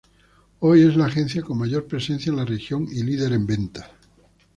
Hoy es la agencia con mayor presencia en la región y líder en ventas.